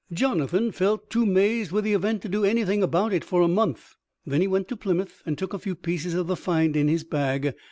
Jonathan felt too mazed with the event to do anything about it for a month; then he went to Plymouth, and took a few pieces of the find in his bag.